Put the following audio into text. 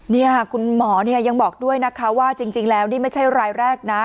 นี่ค่ะคุณหมอยังบอกด้วยนะคะว่าจริงแล้วนี่ไม่ใช่รายแรกนะ